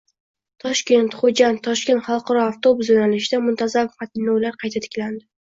Toshkent–Xo‘jand–Toshkent xalqaro avtobus yo‘nalishida muntazam qatnovlar qayta tiklandi